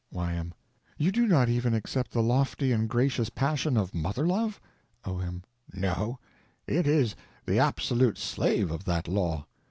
Y.M. You do not even except the lofty and gracious passion of mother love? O.M. No, _it _is the absolute slave of that law.